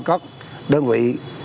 có đơn vị